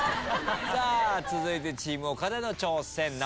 続いてチーム岡田の挑戦。